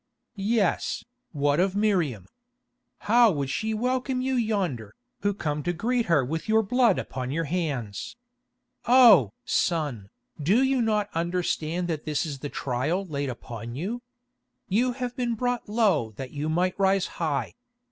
"Yes, what of Miriam? How would she welcome you yonder, who come to greet her with your blood upon your hands? Oh! son, do you not understand that this is the trial laid upon you? You have been brought low that you might rise high.